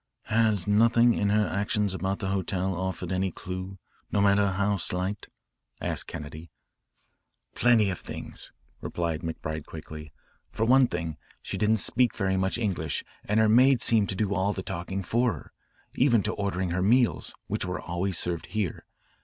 "Has nothing in her actions about the hotel offered any clue, no matter how slight?" asked Kennedy. "Plenty of things," replied McBride quickly. "For one thing, she didn't speak very much English and her maid seemed to do all the talking for her, even to ordering her meals, which were always served here.